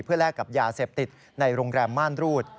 แลกกับยาเสพติดในโรงแรมม่านรูด